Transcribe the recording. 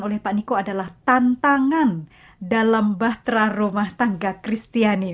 oleh pak niko adalah tantangan dalam bahtera rumah tangga kristiani